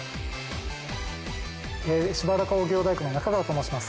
芝浦工業大学の中川と申します。